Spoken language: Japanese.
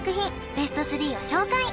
ベスト３を紹介